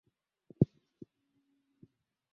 imekuwa ikiongezeka mwaka hadi mwaka nchini